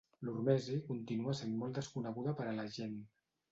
L'hormesi continua sent molt desconeguda per a la gent.